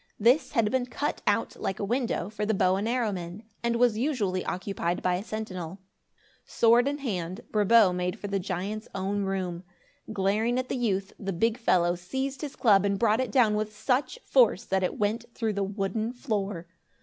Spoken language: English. This had been cut out, like a window, for the bow and arrow men, and was usually occupied by a sentinel. Sword in hand, Brabo made for the giant's own room. Glaring at the youth, the big fellow seized his club and brought it down with such force that it went through the wooden floor.